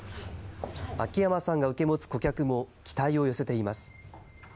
秋山さんが受け持つ顧客も期待を寄せています。